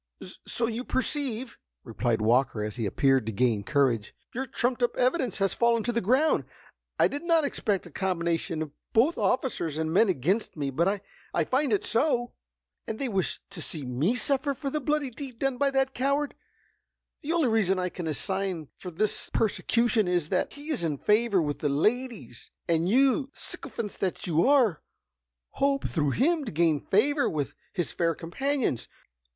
"So you perceive," replied Walker, as he appeared to gain courage, "your trumped up evidence has fallen to the ground! I did not expect a combination of both officers and men against me, but I find it so. And they wish to see me suffer for the bloody deed done by that coward. The only reason I can assign for this persecution is, that he is in favor with the ladies, and you, sycophants that you are, hope, through him, to gain favor with his fair companions.